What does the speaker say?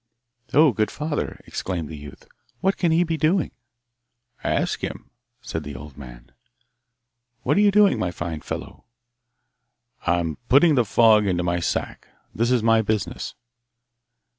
'Oh, good father,' exclaimed the youth, 'what can he be doing?' 'Ask him,' said the old man. 'What are you doing, my fine fellow?' 'I am putting the fog into my sack. That is my business.